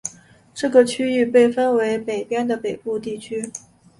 这个区域被分为北边的北部地区。